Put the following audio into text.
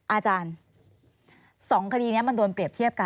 อาจารย์๒คดีนี้มันโดนเปรียบเทียบกัน